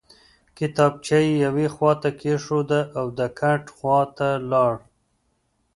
کتابچه یې یوې خواته کېښوده او د کټ خواته لاړ